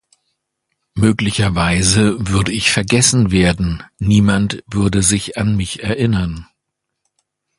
Möglicherweise würde ich vergessen werden, niemand würde sich an mich erinnern.